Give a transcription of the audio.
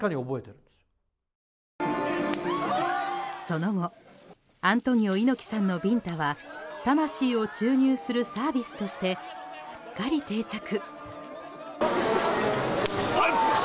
その後アントニオ猪木さんのビンタは魂を注入するサービスとしてすっかり定着。